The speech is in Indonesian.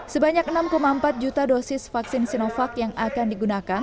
sebanyak enam empat juta dosis vaksin sinovac yang akan digunakan